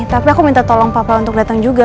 tapi aku minta tolong papa untuk datang juga